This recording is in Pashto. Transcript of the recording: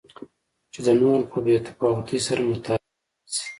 چې د نورو په بې تفاوتۍ سره متأثره نه شي.